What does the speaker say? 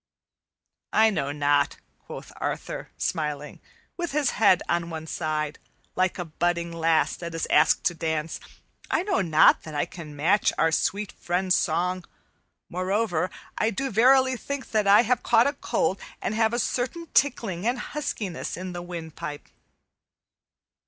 "I know not," quoth Arthur, smiling, with his head on one side, like a budding lass that is asked to dance, "I know not that I can match our sweet friend's song; moreover, I do verily think that I have caught a cold and have a certain tickling and huskiness in the windpipe."